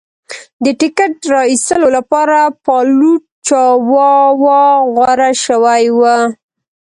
د ټکټ را ایستلو لپاره فالوټ چاواوا غوره شوی و.